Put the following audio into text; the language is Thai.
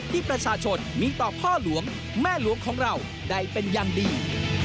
ที่ประชาชนมีต่อพ่อหลวงแม่หลวงของเราได้เป็นอย่างดี